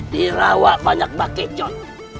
dirawa banyak bakecot